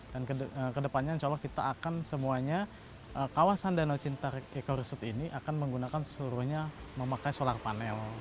dan kedepannya insya allah kita akan semuanya kawasan danau cinta eco resort ini akan menggunakan seluruhnya memakai solar panel